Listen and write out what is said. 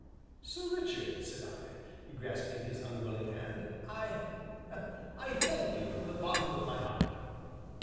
"Sir Richard," said I, grasping his unwilling hand, "I I thank you from the bottom of my heart."